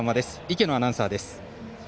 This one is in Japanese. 池野アナウンサーです。